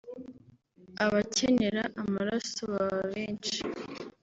abacyenera amaraso baba benshi